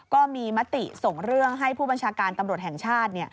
ก็มีมติส่งเรื่องให้ผู้บัญชาการตำรวจแห่งชาติ